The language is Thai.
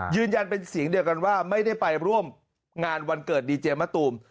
ยืนยันเป็นเสียงเดียวกันว่าไม่ได้ไปร่วมงานวันเกิดดีเจมะตูม